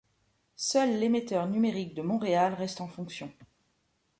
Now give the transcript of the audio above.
Seul l'émetteur numérique de Montréal reste en fonction.